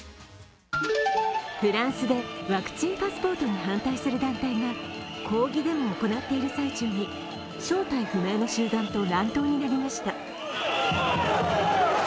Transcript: フランスでワクチンパスポートに反対する団体が抗議デモを行っている最中に正体不明の集団と乱闘になりました。